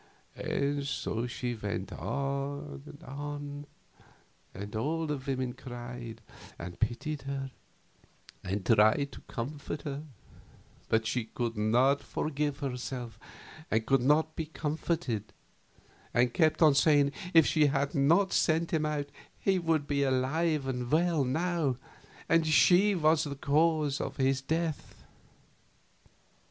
And so she went on and on, and all the women cried, and pitied her, and tried to comfort her, but she could not forgive herself and could not be comforted, and kept on saying if she had not sent him out he would be alive and well now, and she was the cause of his death.